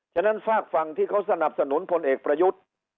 ฉะนั้นฝากฝั่งที่เขาสนับสนุนพลเอกประยุทธ์